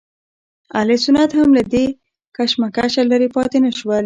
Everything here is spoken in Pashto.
اهل سنت هم له دې کشمکشه لرې پاتې نه شول.